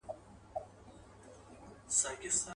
ډېر عمر ښه دی عجیبي وینو.